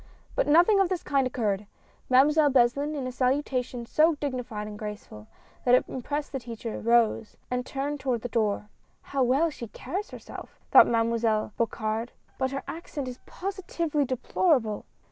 But nothing of this kind occurred. Mademoiselle Beslin, with a salutation so dignified and graceful, that it impressed the teacher, rose, and turned towards the door. " How well she carries herself I " thought Mademoi selle Bocard, "but her accent is positively deplorable!"